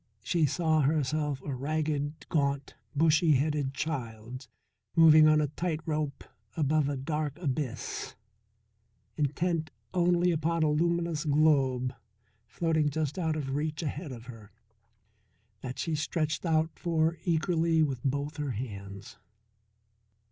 She saw herself a ragged, gaunt, bushy headed child moving on a tight rope above a dark abyss, intent only upon a luminous globe floating just out of reach ahead of her, that she stretched out for eagerly with both her hands.